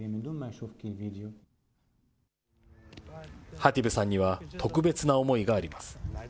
ハティブさんには特別な思いがあります。